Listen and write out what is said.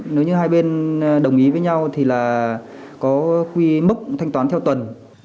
nếu như hai bên đồng ý với nhau thì là có quy mốc thanh toán theo tuần